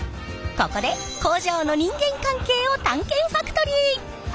ここで工場の人間関係を探検ファクトリー！